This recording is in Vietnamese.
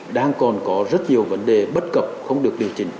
đang còn có rất nhiều vấn đề bất cập không được điều chỉnh